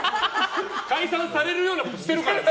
解散されるようなことしてるから。